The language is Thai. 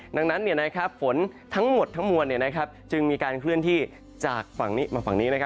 ดังนั้นฝนทั้งหมดทั้งมวลจึงมีการเคลื่อนที่จากฝั่งนี้มาฝั่งนี้